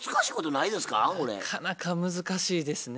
なかなか難しいですね。